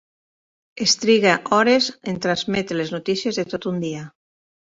Es triga hores en transmetre les notícies de tot un dia.